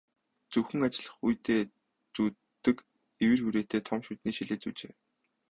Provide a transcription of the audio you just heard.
Зөвхөн ажиллах үедээ зүүдэг эвэр хүрээтэй том нүдний шилээ зүүжээ.